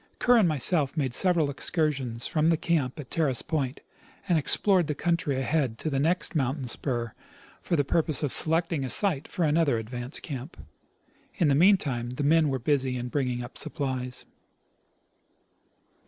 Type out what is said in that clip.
Kerr and myself made several excursions from the camjD at Terrace point, and explored the country ahead to the next mountain spur for the purpose of selecting a site for another advance camp. In the meantime the men were busy in bring ing up supplies.